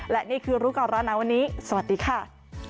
และนี่คือรู้ก่อนร้อนหนาวันนี้สวัสดีค่ะ